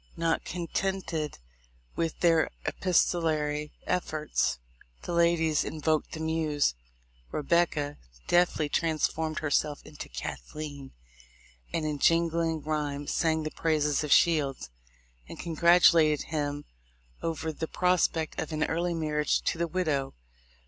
Not contented with their epistolary efforts, the ladies invoked the muse. ''Rebecca" deftly trans formed herself into "Cathleen," and in jingling ryhme sang the praises of Shields, and congratulated him over the prospect of an early marriage to the widow.